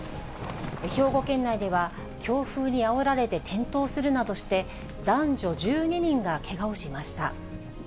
兵庫県内では、強風にあおられて転倒するなどして、男女１２人がけがをしました。